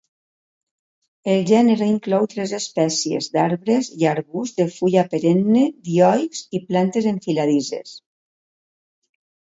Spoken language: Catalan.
El gènere inclou tres espècies d'arbres i arbusts de fulla perenne dioics, i plantes enfiladisses.